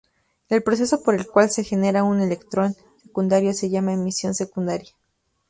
El proceso por el cual se genera un electrón secundario se llama emisión secundaria.